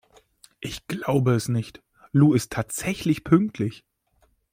Ich glaube es nicht, Lou ist tatsächlich pünktlich!